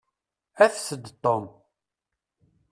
Afet-d Tom.